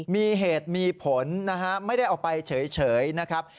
มีเหตุมีผลนะฮะไม่ได้เอาไปเฉยนะครับ